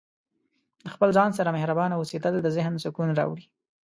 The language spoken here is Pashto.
د خپل ځان سره مهربانه اوسیدل د ذهن سکون راوړي.